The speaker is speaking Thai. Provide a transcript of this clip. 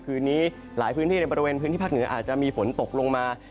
คืนนี้หลายพื้นที่ในบริเวณพื้นที่ภาคเหนืออาจจะมีฝนตกลงมา